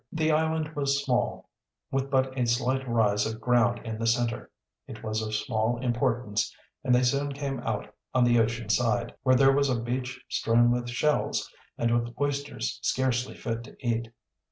The island was small, with but a slight rise of ground in the center. It was of small importance and they soon came out on the ocean side, where there was a beach strewn with shells and with oysters scarcely fit to eat.